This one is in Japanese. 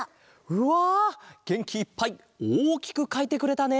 うわげんきいっぱいおおきくかいてくれたね。